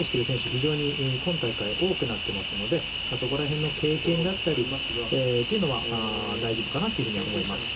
非常に今大会、多くなっていますのでそこら辺の経験だったりっていうのは大丈夫かなと思います。